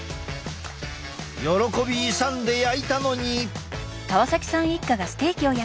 喜び勇んで焼いたのに。